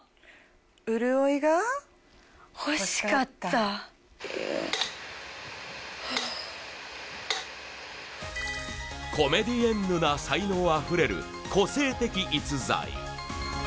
潤いが欲しかったコメディエンヌな才能あふれる個性的逸材